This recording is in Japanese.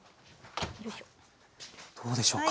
どうでしょうか？